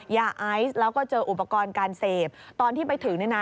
ยาไอซ์แล้วก็เจออุปกรณ์การเสพตอนที่ไปถึงเนี่ยนะ